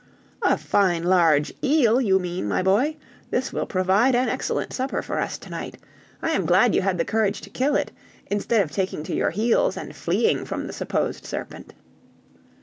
"A fine large eel, you mean, my boy. This will provide an excellent supper for us to night. I am glad you had the courage to kill it, instead of taking to your heels and fleeing from the supposed serpent."